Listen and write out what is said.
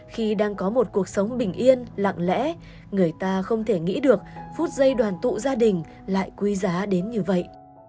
khi đang có một cuộc sống bình yên lặng lẽ người ta không thể nghĩ được phút giây đoàn tụ gia đình lại quý giá đến như vậy